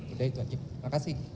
udah itu wajib terima kasih